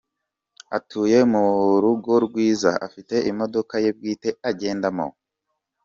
Atuye mu rugo rwiza, afite imodoka ye bwite agendamo.